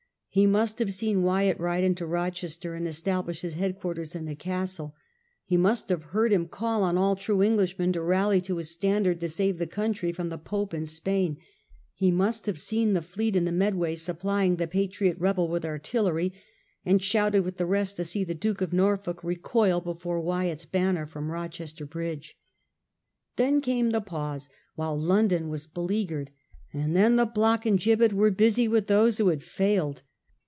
He must have seen Wyatt ride into Rochester and establish his headquarters in the castle. He must have heard him call on all true Englishmen to rally to his standard to save the country from the Pope and Spain. He must have seen the fleet in the Medway supplying the patriot rebel with artillery, and shouted with the rest to see the Duke of Norfolk recoil before Wyatt's banner from Rochester bridge. Then came the pause while London was beleaguered, and then the block and gibbet were busy with those who had failed.